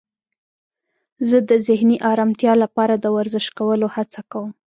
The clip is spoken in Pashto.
زه د ذهني آرامتیا لپاره د ورزش کولو هڅه کوم.